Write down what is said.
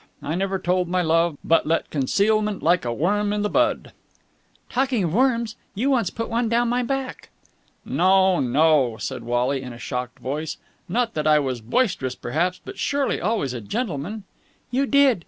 I never told my love, but let concealment like a worm i' the bud...." "Talking of worms, you once put one down my back!" "No, no," said Wally in a shocked voice. "Not that! I was boisterous, perhaps, but surely always the gentleman." "You did!